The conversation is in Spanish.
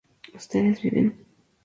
ustedes viven